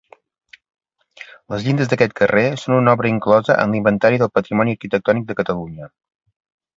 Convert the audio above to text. Les llindes d'aquest carrer són una obra inclosa en l'Inventari del Patrimoni Arquitectònic de Catalunya.